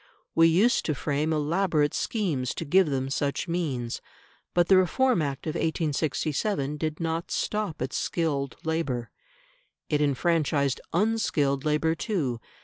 We used to frame elaborate schemes to give them such means. But the Reform Act of 1867 did not stop at skilled labour; it enfranchised unskilled labour too.